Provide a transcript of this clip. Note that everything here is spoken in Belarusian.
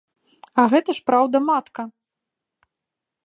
А гэта ж праўда-матка!